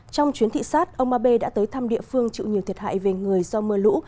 trong chuyến thị sát ông abe đã tới thăm địa phương chịu nhiều thiệt hại về người do mưa lũ